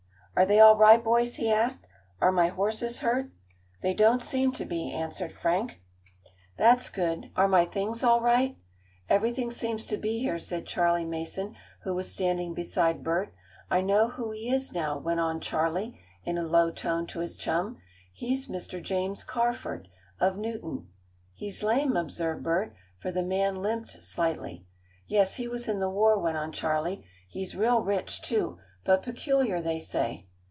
"Are they all right, boys?" he asked. "Are my horses hurt?" "They don't seem to be," answered Frank. "That's good. Are my things all right?" "Everything seems to be here," said Charley Mason, who was standing beside Bert. "I know who he is now," went on Charley in a low tone to his chum. "He's Mr. James Carford, of Newton." "He's lame," observed Bert, for the man limped slightly. "Yes, he was in the war," went on Charley. "He's real rich, too, but peculiar, they say."